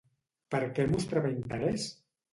Per què mostrava interès?